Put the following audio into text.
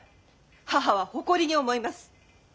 母は誇りに思います。